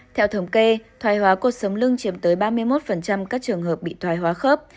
theo thống kê thoài hóa cột sống lưng chiếm tới ba mươi một các trường hợp bị thoài hóa khớp